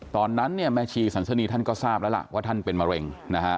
ตอนนั้นแม่ชีสัญชณีย์ท่านก็ทราบแล้วล่ะว่าท่านเป็นมะเร็ง